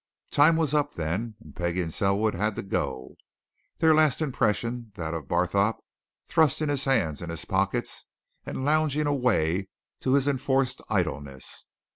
Time was up, then, and Peggie and Selwood had to go their last impression that of Barthorpe thrusting his hands in his pockets and lounging away to his enforced idleness.